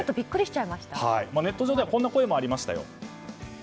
ネット上ではこんな声もありましたよ。